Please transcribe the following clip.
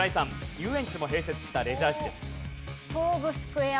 遊園地も併設したレジャー施設。